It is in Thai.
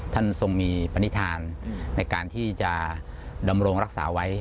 ทรงมีปณิธานในการที่จะดำรงรักษาไว้